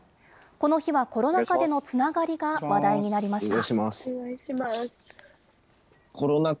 この日はコロナ禍でのつながりが話題になりました。